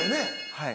はい。